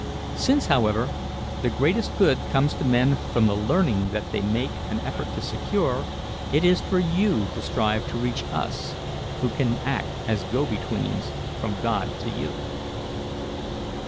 Since, however, the greatest good comes to men from the learning that they make an effort to secure, it is for you to strive to reach us, who can act as go betweens from God to you."